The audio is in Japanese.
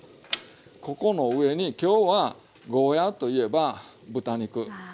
ここの上に今日はゴーヤーといえば豚肉。